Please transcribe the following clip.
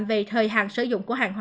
về thời hàng sử dụng của hàng hóa